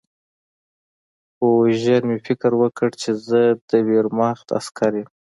خو ژر مې فکر وکړ چې زه د ویرماخت عسکر یم